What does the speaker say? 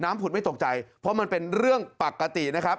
ผุดไม่ตกใจเพราะมันเป็นเรื่องปกตินะครับ